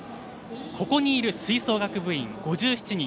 ここにいる吹奏楽部５７人